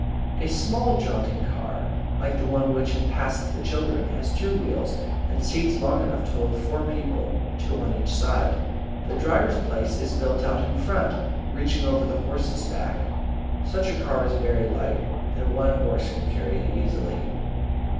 A small jaunting car, like the one which had passed the children, has two wheels, and seats long enough to hold four people, two on each side. The driver's place is built out in front, reaching over the horse's back. Such a car is very light, and one horse can carry it easily.